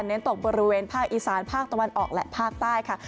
เน้นตกบริเวณฝ้างอีซานฝ้างตะวันออกและฝ้างใต้ค่ะ